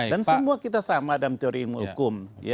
dan semua kita sama dalam teori hukum